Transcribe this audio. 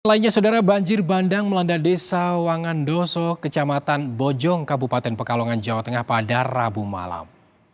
lainnya saudara banjir bandang melanda desa wangandoso kecamatan bojong kabupaten pekalongan jawa tengah pada rabu malam